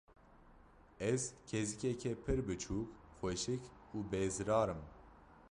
Ez kêzikeke pir biçûk, xweşik û bêzirar im.